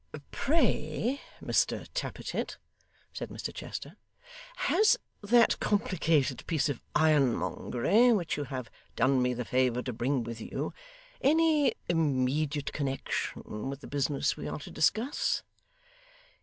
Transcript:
'Pray, Mr Tappertit,' said Mr Chester, 'has that complicated piece of ironmongery which you have done me the favour to bring with you, any immediate connection with the business we are to discuss?